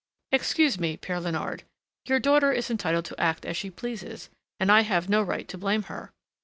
"Excuse me, Père Léonard, your daughter is entitled to act as she pleases, and I have no right to blame her.